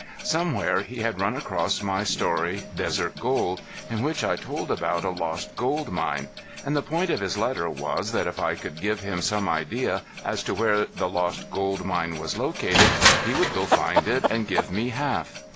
Somewhere he had run across my story Desert Gold in which I told about a lost gold mine. And the point of his letter was that if I could give him some idea as to where the lost gold mine was located he would go find it and give me half.